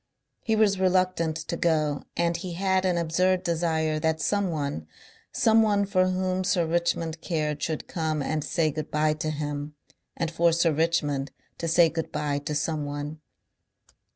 He was reluctant to go and he had an absurd desire that someone, someone for whom Sir Richmond cared, should come and say good bye to him, and for Sir Richmond to say good bye to someone.